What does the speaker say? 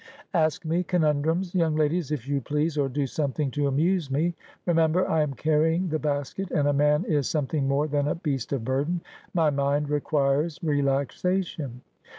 Ask me conundrums, young ladies, if you please, or do something to amuse me. Remember, I am carrying the basket, and a man is something more than a beast of burden. My mind requires relaxation.'